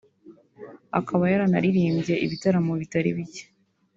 akaba yaranaririmbye ibitaramo bitari bike